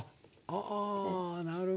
あなるほど。